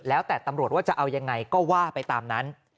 แล้วแต่ตำรวจว่าจะเอายังไงก็ว่าไปตามนั้น